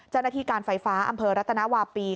เจ้าหน้าที่การไฟฟ้าอำเภอรัตนวาปี